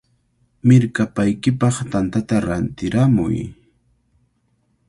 ¡Mirkapaykipaq tantata rantiramuy!